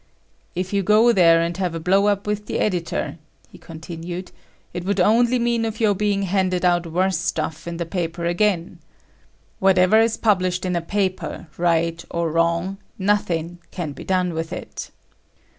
"If you go there and have a blowup with the editor," he continued, "it would only mean of your being handed out worse stuff in the paper again. Whatever is published in a paper, right or wrong, nothing can be done with it."